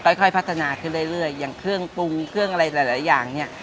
ค่อยค่อยพัฒนาขึ้นเรื่อยเรื่อยอย่างเครื่องปรุงเครื่องอะไรหลายหลายอย่างเนี้ย